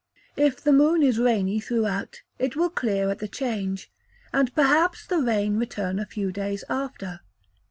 If the moon is rainy throughout, it will clear at the change, and, perhaps, the rain return a few days after.